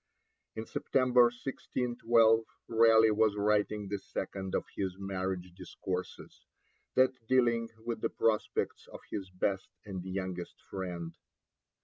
In September 1612, Raleigh was writing the second of his Marriage Discourses, that dealing with the prospects of his best and youngest friend.